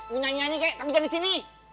mau nyanyi nyanyi kek tapi jangan di sini